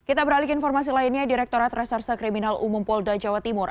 kita beralih ke informasi lainnya direkturat reserse kriminal umum polda jawa timur